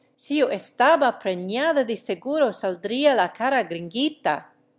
Si yo estaba preiiada de seguro saldria la cara gringuita